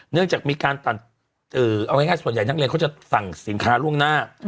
เนื่องจากมีการตัดเอาง่ายส่วนใหญ่นักเรียนเขาจะสั่งสินค้าล่วงหน้า